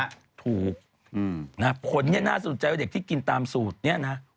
พี่เตอร์ถูกผลนี้น่าสนุนใจว่าเด็กที่กินตามศูนย์เนี่ยนะ